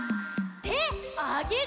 てあげて！